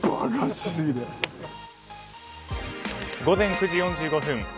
午前９時４５分。